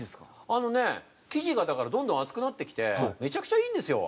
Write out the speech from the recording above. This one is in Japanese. あのね生地がだからどんどん厚くなってきてめちゃくちゃいいんですよ